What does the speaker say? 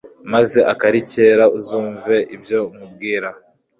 maze akari kera uzumve ibyo nkubwira